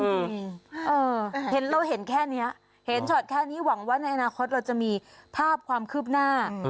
เห็นเราเห็นแค่นี้เห็นช็อตแค่นี้หวังว่าในอนาคตเราจะมีภาพความคืบหน้า